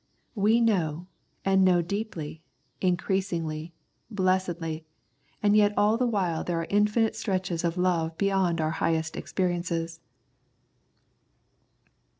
We know, and know deeply, increasingly, blessedly, and yet all the while there are infinite stretches of love beyond our highest experiences.